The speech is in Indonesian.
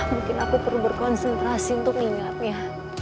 mungkin aku perlu berkonsentrasi untuk mengingatnya